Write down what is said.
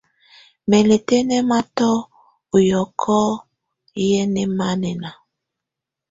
Mɛ́ lɛ́ tɛ́nɛ́mayɔ ɔ yɔkɔ yɛ mɔmánɛna.